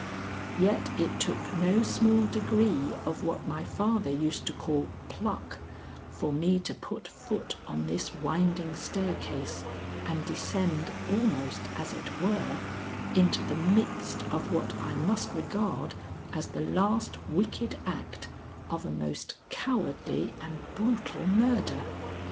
Yet it took no small degree of what my father used to call pluck, for me to put foot on this winding staircase and descend almost, as it were, into the midst of what I must regard as the last wicked act of a most cowardly and brutal murder.